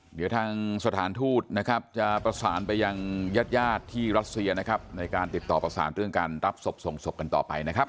เดี๋ยวทางสถานทูตนะครับจะประสานไปยังญาติญาติที่รัสเซียนะครับในการติดต่อประสานเรื่องการรับศพส่งศพกันต่อไปนะครับ